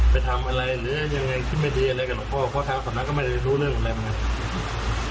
ไปทำอะไรหรือยังไงคิดไม่ดีอะไรกับหลวงพ่อเพราะทางสำนักก็ไม่ได้รู้เรื่องอะไรมันไง